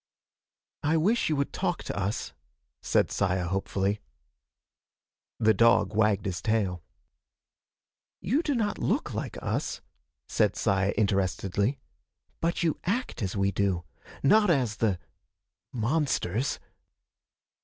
"I wish you would talk to us," said Saya hopefully. The dog wagged his tail. "You do not look like us," said Saya interestedly, "but you act as we do. Not as the monsters!"